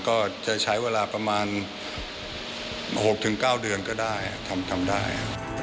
ก็จะใช้เวลาประมาณ๖๙เดือนก็ได้ทำได้